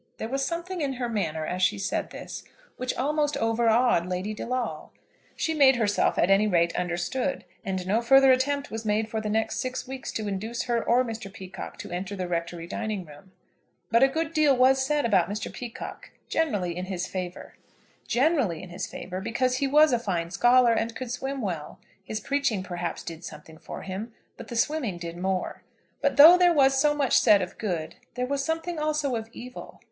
There was something in her manner, as she said this, which almost overawed Lady De Lawle. She made herself, at any rate, understood, and no further attempt was made for the next six weeks to induce her or Mr. Peacocke to enter the Rectory dining room. But a good deal was said about Mr. Peacocke, generally in his favour. Generally in his favour, because he was a fine scholar, and could swim well. His preaching perhaps did something for him, but the swimming did more. But though there was so much said of good, there was something also of evil.